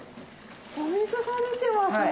お水が出てますね。